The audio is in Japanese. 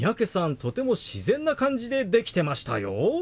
とても自然な感じでできてましたよ。